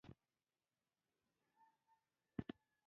د اسلام لارښوونه دا ده چې هره ښځه هلې ځلې وکړي.